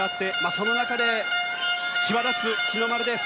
その中で際立つ、日の丸です。